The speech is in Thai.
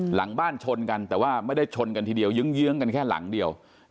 หลังบ้านชนกันแต่ว่าไม่ได้ชนกันทีเดียวเยื้องกันแค่หลังเดียว